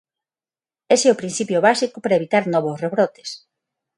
Ese é o principio básico para evitar novos rebrotes.